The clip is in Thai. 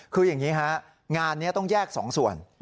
คืออย่างนี้ฮะงานนี้ต้องแยก๒ส่วน